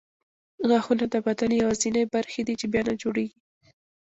غاښونه د بدن یوازیني برخې دي چې بیا نه جوړېږي.